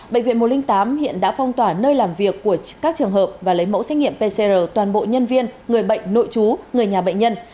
bệnh viện một trăm linh tám hiện đã phong tỏa nơi làm việc của các trường hợp và lấy mẫu xét nghiệm pcr toàn bộ nhân viên người bệnh nội chú người nhà bệnh nhân